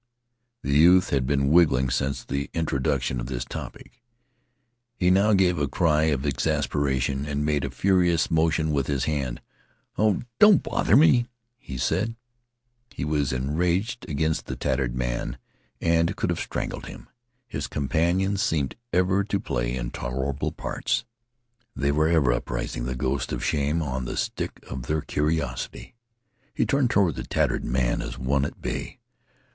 The youth had been wriggling since the introduction of this topic. He now gave a cry of exasperation and made a furious motion with his hand. "Oh, don't bother me!" he said. He was enraged against the tattered man, and could have strangled him. His companions seemed ever to play intolerable parts. They were ever upraising the ghost of shame on the stick of their curiosity. He turned toward the tattered man as one at bay.